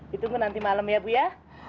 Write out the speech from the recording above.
ditunggu nanti malam ya bu ya